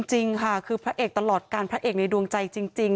จริงค่ะคือพระเอกตลอดการพระเอกในดวงใจจริง